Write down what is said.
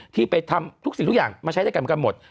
ที่ไปทำทุกสิ่งทุกอย่างมาใช้ด้วยกันหมด